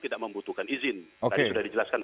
tidak membutuhkan izin tadi sudah dijelaskan